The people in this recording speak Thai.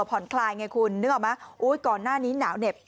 ผ่อนคลายไงคุณนึกออกไหมโอ้ยก่อนหน้านี้หนาวเหน็บ